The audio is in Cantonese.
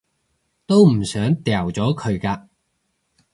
都唔想掉咗佢㗎